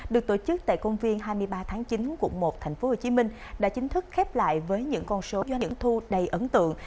được tổ chức tại công viên hai mươi ba tháng chín quận một tp hcm đã chính thức khép lại với những con số doanh nghiệp thu đầy ấn tượng